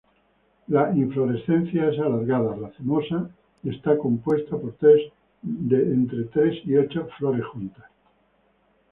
La inflorescencia es alargada, racemosa y está compuesta por tres a ocho flores juntas.